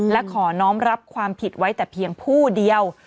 และขอน้องรับความผิดไว้แต่เพียงผู้เดียว